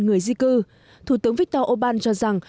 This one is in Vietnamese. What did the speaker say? người di cư thủ tướng viktor orbán cho rằng